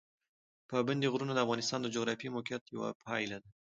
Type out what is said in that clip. پابندي غرونه د افغانستان د جغرافیایي موقیعت یوه پایله ده.